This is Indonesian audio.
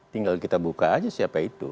tinggal kita buka aja siapa itu